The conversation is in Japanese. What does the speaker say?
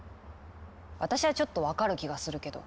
私はちょっと分かる気がするけど。